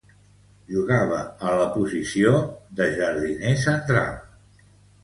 Jugava a la posició de jardiner central.